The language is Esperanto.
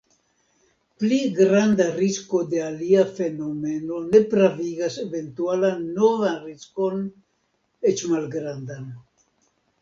Pli granda risko de alia fenomeno ne pravigas eventualan novan riskon eĉ malgrandan.